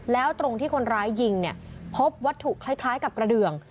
แล้วตรงที่คนร้ายยิงเนี่ยพบวัตถุคล้ายกับกระเดือง